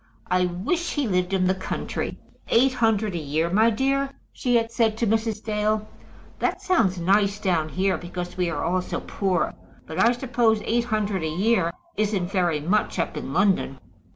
I wish he lived in the country. Eight hundred a year, my dear?" she had said to Mrs. Dale. "That sounds nice down here, because we are all so poor. But I suppose eight hundred a year isn't very much up in London?"